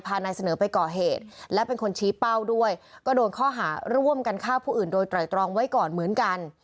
นายเสนอไปก่อเหตุและเป็นคนชี้เป้าด้วยก็โดนข้อหาร่วมกันฆ่าผู้อื่นโดยไตรตรองไว้ก่อนเหมือนกัน